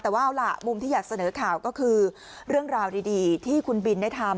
แต่ว่าเอาล่ะมุมที่อยากเสนอข่าวก็คือเรื่องราวดีที่คุณบินได้ทำ